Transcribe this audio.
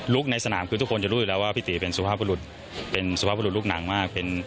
ลุคในสนามคือทุกคนจะรู้จริงว่าพี่ตี๋เป็นสุภาพลุฤเป็นสุภาพลุฤลุกดังมาก